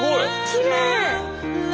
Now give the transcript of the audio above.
きれい。